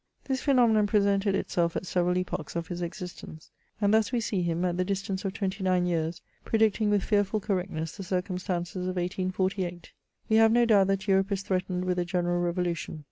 This phenomenon presented itself at several epochs of his existence ; and thus we see him, at the distance of twenty*nine years, predicting with fearful correctness the circumstances of 1848. '^ We have no douht that Europe is threatened with a general revolution.